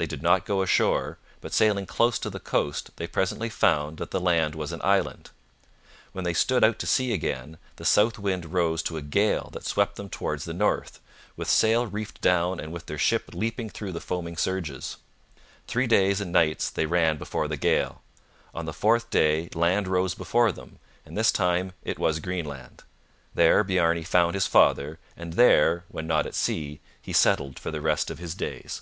They did not go ashore, but sailing close to the coast they presently found that the land was an island. When they stood out to sea again, the south wind rose to a gale that swept them towards the north, with sail reefed down and with their ship leaping through the foaming surges. Three days and nights they ran before the gale. On the fourth day land rose before them, and this time it was Greenland. There Bjarne found his father, and there, when not at sea, he settled for the rest of his days.